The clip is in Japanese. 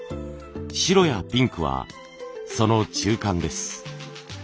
白やピンクはその中間です。